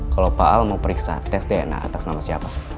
kalau pak al mau periksa tes dna atas nama siapa